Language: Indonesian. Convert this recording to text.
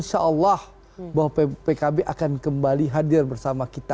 insya allah bahwa pkb akan kembali hadir bersama kita